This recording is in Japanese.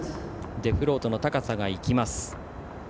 デフロートの高さが生きます。